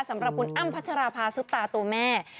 สำหรับคุณอ้ำพัชราภาซุปตาตัวแม่